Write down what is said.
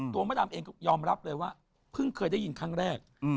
มดดำเองก็ยอมรับเลยว่าเพิ่งเคยได้ยินครั้งแรก